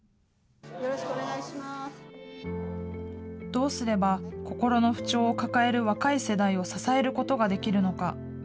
どうすれば心の不調を抱える若い世代を支えることができるのか。